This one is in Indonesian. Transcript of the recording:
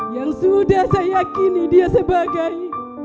yang sudah saya yakini dia sebagai